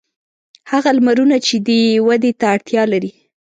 هغه لمرونه چې دی یې ودې ته اړتیا لري.